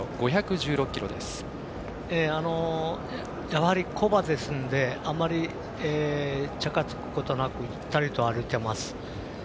やはり、古馬ですのであまりチャカつくことなくゆったりと歩いています。